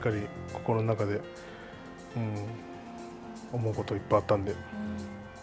しっかり心の中で思うことはいっぱいあったので。